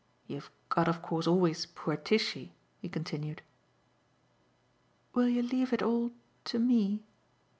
You've got of course always poor Tishy," he continued. "Will you leave it all to ME?"